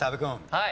はい。